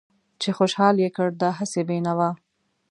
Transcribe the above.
چې خوشحال يې کړ دا هسې بې نوا